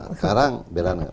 sekarang bela negara